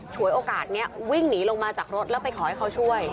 เฉยโอกาสเนี่ยวิ่งหนีลงมาจากรถไปขอให้เขาช่วย